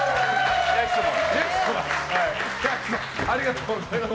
ありがとうございます。